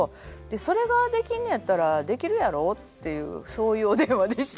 「それができるのやったらできるやろ？」っていうそういうお電話でした。